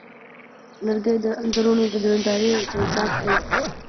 لرګی د انځورونو د نندارې چوکاټ دی.